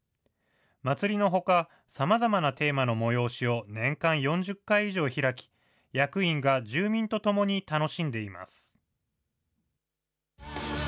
祭りのほか、さまざまなテーマの催しを年間４０回以上開き、役員が住民と共に楽しんでいます。